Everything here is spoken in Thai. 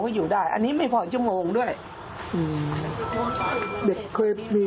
เปิดเผยกับตำรวจว่าก่อนเกิดเหตุ